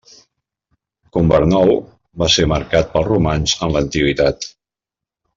Cumbernauld va ser marcat pels romans en l'antiguitat.